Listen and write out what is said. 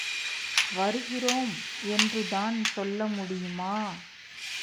வருகிறோம் என்றுதான் சொல்லமுடியுமா?